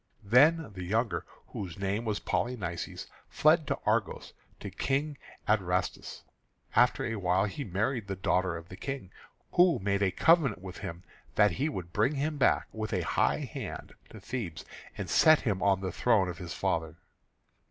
Then the younger, whose name was Polynices, fled to Argos, to King Adrastus. And after a while he married the daughter of the King, who made a covenant with him that he would bring him back with a high hand to Thebes, and set him on the throne of his father.